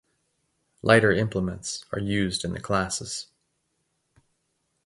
Lighter implements are used in the classes.